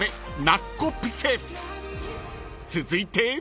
［続いて］